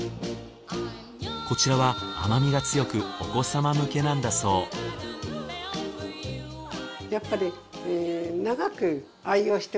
こちらは甘みが強くお子様向けなんだそうやっぱり。